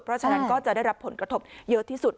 เพราะฉะนั้นก็จะได้รับผลกระทบเยอะที่สุด